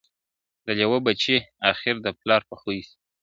د لېوه بچی آخر د پلار په خوی سي ..